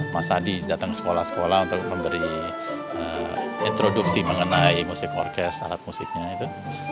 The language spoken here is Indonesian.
mas adi datang ke sekolah sekolah untuk memberi introduksi mengenai musik orkes alat musiknya itu